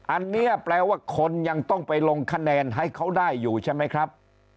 อันนี้แปลว่าคนยังต้องไปลงคะแนนให้เขาได้อยู่ใช่ไหมครับ